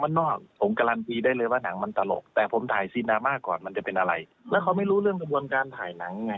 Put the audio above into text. อันนี้ไม่คุยแล้วคือคือขอบายค่ะขอบาย